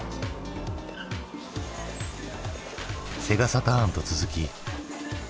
セガサターンと続き。